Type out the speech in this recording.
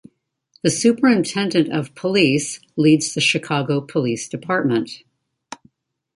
The Superintendent of Police leads the Chicago Police Department.